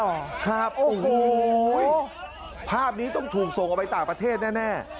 ครับโอ้โหภาพนี้ต้องถูกส่งออกไปต่างประเทศแน่